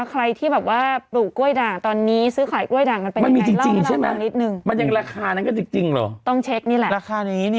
ใครที่ปลูกกล้วยด่างตอนนี้ซื้อขายกล้วยด่างมันเป็นอย่างไรเล่าให้เราต่างนิดหนึ่ง